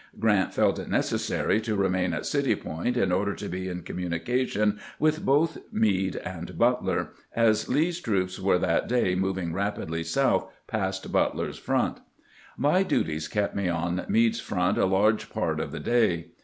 Grant felt it neces sary to remain at City Point in order to be in commu nication with both Meade and Butler, as Lee's troops were that day moving rapidly south past Butler's front. My duties kept me on Meade's front a large part of the day.